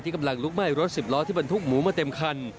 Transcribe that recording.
กำลังลุกไหม้รถสิบล้อที่บรรทุกหมูมาเต็มคัน